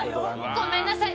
「ごめんなさい。